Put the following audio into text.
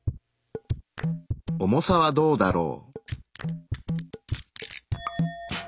重さはどうだろう？